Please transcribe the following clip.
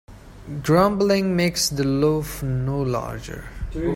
Grumbling makes the loaf no larger.